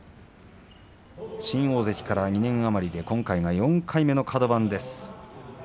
新大関から２年余り今回が４回目のカド番。